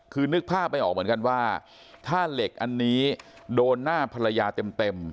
คือนึกภาพไม่ออกเหมือนกันว่าถ้าเหล็กอันนี้โดนหน้าภรรยาเต็ม